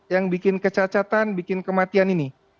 yang bikin kecacatan bikin kematian ini